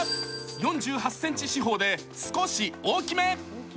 ４８ｃｍ四方で少し大きめ。